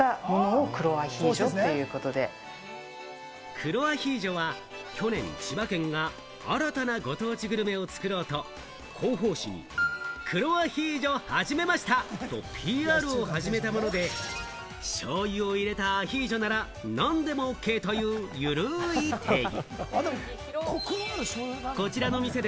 黒アヒージョは去年、千葉県が新たなご当地グルメを作ろうと、広報誌に「黒アヒージョはじめました！！」とＰＲを始めたもので、しょうゆを入れたアヒージョなら何でもＯＫという、ゆるい定義。